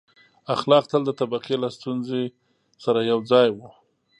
• اخلاق تل د طبقې له ستونزې سره یو ځای وو.